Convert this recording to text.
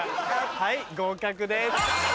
はい合格です。